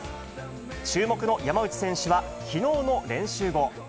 注目の山内選手は、きのうの練習後。